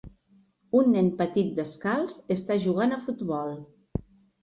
Un nen petit descalç està jugant a futbol.